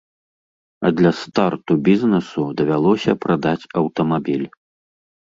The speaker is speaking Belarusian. А для старту бізнэсу давялося прадаць аўтамабіль.